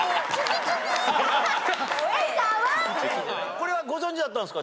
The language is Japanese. これはご存じだったんすか？